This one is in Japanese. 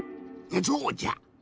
そうじゃ！